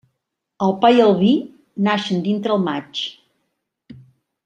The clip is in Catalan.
El pa i el vi naixen dintre el maig.